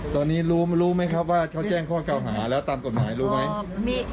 ตอนนี้รู้ไหมครับว่าเขาแจ้งข้อเก่าหาแล้วตามกฎหมายรู้ไหม